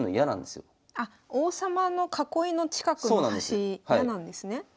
あっ王様の囲いの近くの端嫌なんですね。